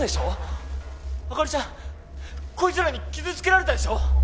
朱莉ちゃんこいつらに傷つけられたでしょ？